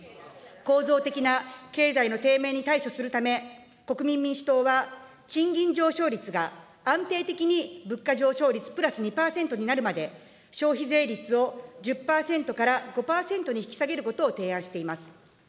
構造的な経済の低迷に対処するため、国民民主党は、賃金上昇率が安定的に物価上昇率プラス２％になるまで、消費税率を１０％から５％に引き下げることを提案しています。